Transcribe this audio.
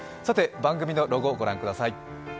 番組のロゴ、御覧ください。